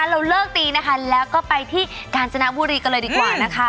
เราเลิกดีนะคะแล้วก็ไปที่กาญจนบุรีกันเลยดีกว่านะคะ